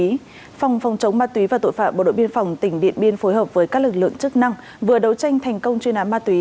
phòng phòng chống ma túy và tội phạm bộ đội biên phòng tỉnh điện biên phối hợp với các lực lượng chức năng vừa đấu tranh thành công chuyên án ma túy